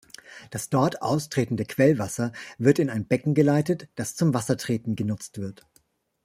Das dort austretende Quellwasser wird in ein Becken geleitet, das zum Wassertreten genutzt wird.